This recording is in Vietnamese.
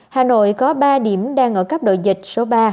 hà nội có ba điểm đang ở cấp độ dịch số ba